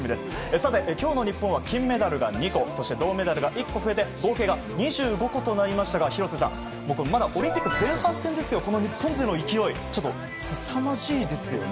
さて、今日の日本は金メダルが２個銅メダルが１個増えて合計が２５個となりましたが廣瀬さん、まだオリンピック前半戦ですけどこの日本勢の勢いすさまじいですよね。